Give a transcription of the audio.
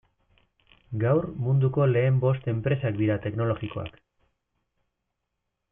Gaur munduko lehen bost enpresak dira teknologikoak.